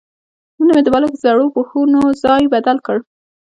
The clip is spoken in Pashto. نن مې د بالښت زړو پوښونو ځای بدل کړ.